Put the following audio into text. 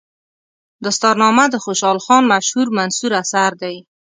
دستارنامه د خوشحال خان مشهور منثور اثر دی.